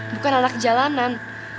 bukan anak kejalanan